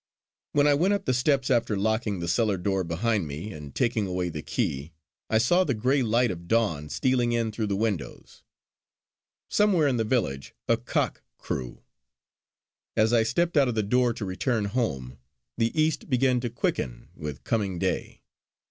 When I went up the steps after locking the cellar door behind me and taking away the key, I saw the grey light of dawn stealing in through the windows. Somewhere in the village a cock crew. As I stepped out of the door to return home, the east began to quicken with coming day.